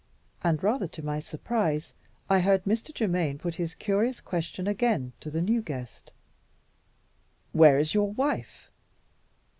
And, rather to my surprise, I heard Mr. Germaine put his curious question again to the new guest: "Where is your wife?"